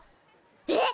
えっ？